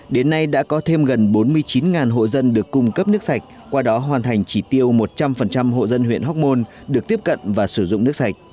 đến nay đã có thêm gần bốn mươi chín hộ dân được cung cấp nước sạch qua đó hoàn thành chỉ tiêu một trăm linh hộ dân huyện hóc môn được tiếp cận và sử dụng nước sạch